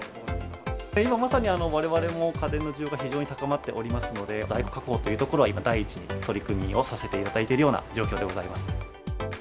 今まさにわれわれも、家電の需要が非常に高まっておりますので、在庫確保というところは、今第一に取り組みをさせていただいているような状況でございます。